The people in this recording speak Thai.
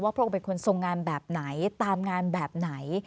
พระองค์เป็นคนทรงงานแบบไหนตามงานแบบไหน